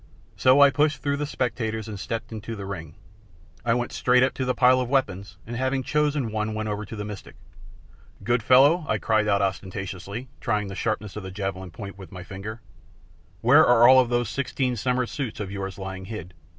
So I pushed through the spectators and stepped into the ring. I went straight up to the pile of weapons, and having chosen one went over to the mystic. "Good fellow," I cried out ostentatiously, trying the sharpness of the javelin point with my finger, "where are all of those sixteen summer suits of yours lying hid?"